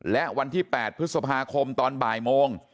และวันที่๘พฤษภาคมตอนบ่ายโมง